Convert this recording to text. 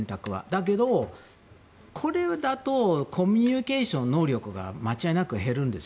だけど、これだとコミュニケーションの能力が間違いなく減るんです。